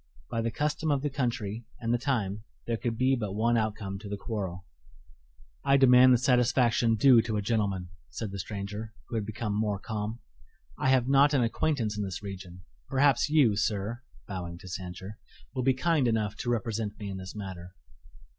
By the custom of the country and the time there could be but one outcome to the quarrel. "I demand the satisfaction due to a gentleman," said the stranger, who had become more calm. "I have not an acquaintance in this region. Perhaps you, sir," bowing to Sancher, "will be kind enough to represent me in this matter."